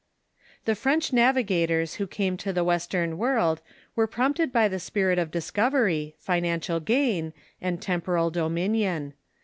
The French navigators who came to the western world were prompted by the spirit of discovery, financial gain, and temporal dominion.